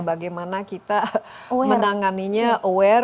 bagaimana kita menanganinya aware